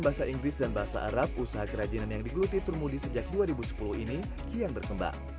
bahasa inggris dan bahasa arab usaha kerajinan yang digeluti turmudi sejak dua ribu sepuluh ini kian berkembang